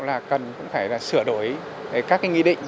là cần cũng phải sửa đổi các nghi định